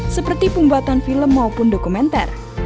seperti pembuatan film maupun dokumenter